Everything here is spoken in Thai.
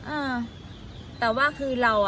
เออแต่ว่าคือเรา